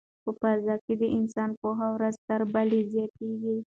په فضا کې د انسان پوهه ورځ تر بلې زیاتیږي.